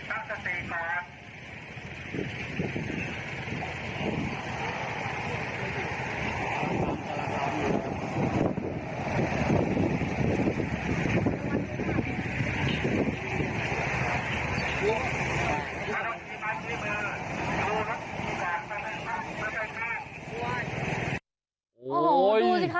โอ้โหดูสิคะ